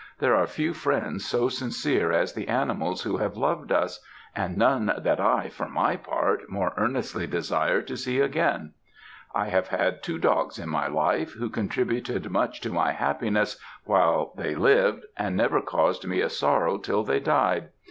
There are few friends so sincere as the animals who have loved us, and none that I, for my part, more earnestly desire to see again. I have had two dogs, in my life, who contributed much to my happiness while they lived, and never caused me a sorrow till they died.